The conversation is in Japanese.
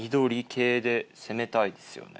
で攻めたいですよね